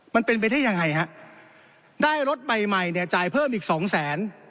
มันเป็นไปที่ยังไงฮะได้รถใหม่จ่ายเพิ่มอีก๒แสน